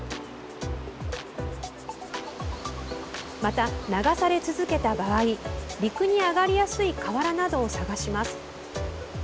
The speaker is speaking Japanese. また、流され続けた場合陸に上がりやすい河原などを探します。